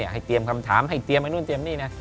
ให้เตรียมคำถามให้เตรียมไอ้นู่นเตรียมนี่นะ